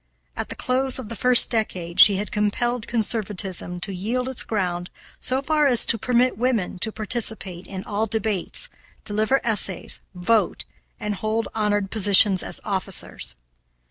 At the close of the first decade she had compelled conservatism to yield its ground so far as to permit women to participate in all debates, deliver essays, vote, and hold honored positions as officers.